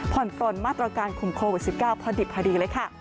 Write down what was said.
ปลนมาตรการคุมโควิด๑๙พอดิบพอดีเลยค่ะ